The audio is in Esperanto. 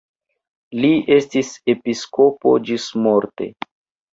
Li estis episkopo ĝismorte.